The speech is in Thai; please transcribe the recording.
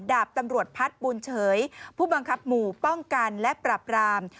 ดาบตำรวจพัฒน์บุญเฉยผู้บังคับหมู่ป้องกันและปรับราม